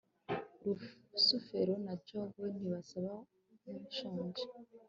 rusufero na jabo ntibasa nkushonje